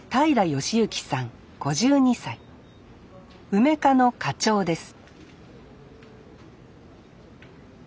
うめ課の課長です